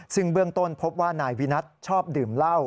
ซึ่งเบื้องต้นพบว่านายวินัทชอบดื่มเหล้า